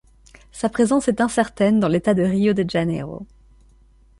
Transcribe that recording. Sa présence est incertaine dans l'État de Rio de Janeiro.